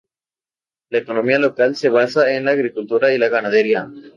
La economía local se basa en la agricultura y la ganadería.